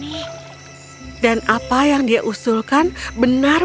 tidak ada yang tidak ada yang tidak ada yang tidak ada es waras